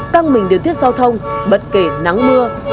căng mình điện thuyết giao thông bất kể nắng mưa